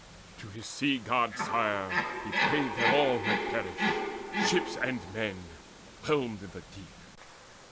To his sea god sire He prayed that all might perish, ships and men Whelmed in the deep.